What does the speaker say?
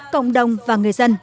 cộng đồng và người dân